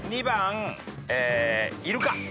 ２番「いるか」